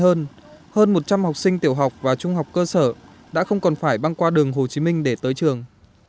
hơn một trăm linh học sinh tiểu học và trung học cơ sở đã không còn phải băng qua đường hồ chí minh để tới trường